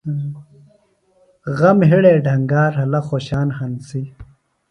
غمِ ہِڑے ڈھنگا رھلہ خوۡشان ہنسی۔